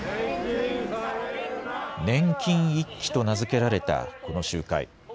年金一揆と名付けられたこの集会。